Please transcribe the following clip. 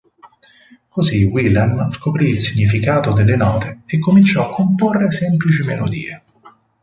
Così Willem scoprì il significato delle note e cominciò a comporre semplici melodie.